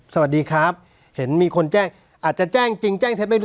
สวัสดีครับเห็นมีคนแจ้งอาจจะแจ้งจริงแจ้งเท็จไม่รู้